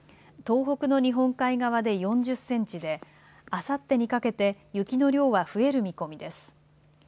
東北の日本海側で４０センチであさってにかけて雪の量は増える見込みです。